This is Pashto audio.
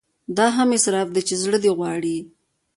دا هم اسراف دی چې زړه دې غواړي.